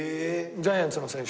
ジャイアンツの選手。